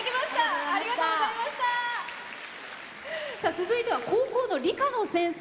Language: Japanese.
続いては高校の理科の先生。